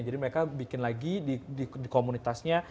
jadi mereka bikin lagi di komunitasnya